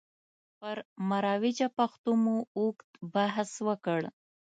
پر مروجه پښتو مو اوږد بحث وکړ.